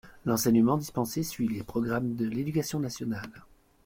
L'enseignement dispensé suit les programmes de l'Éducation nationale.